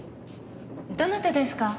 どなたですか？